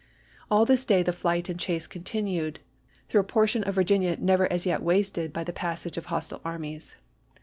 All this day the flight and chase continued, through a por tion of Virginia never as yet wasted by the passage APPOMATTOX 191 of hostile armies.